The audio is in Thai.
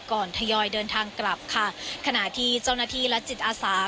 ทยอยเดินทางกลับค่ะขณะที่เจ้าหน้าที่และจิตอาสา